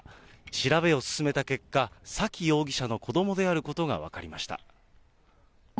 調べを進めた結果、沙喜容疑者の子どもであることが分かりました。